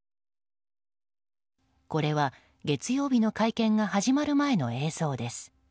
これは、月曜日の会見が始まる前の映像です。